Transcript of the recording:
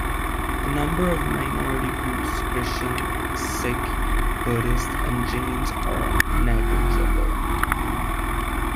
The number of minority groups - Christian, Sikh, Buddhist and Jains - are negligible.